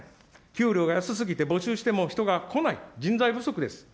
給料が安すぎて募集しても人が来ない、人材不足です。